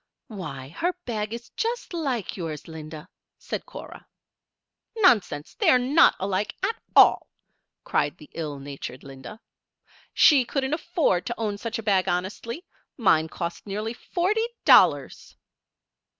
"Why, her bag is just like yours, Linda," said Cora. "Nonsense! They're not alike, at all," cried the ill natured Linda. "She couldn't afford to own such a bag honestly. Mine cost nearly forty dollars."